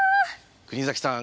国崎さん